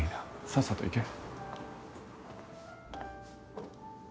さっさと行け。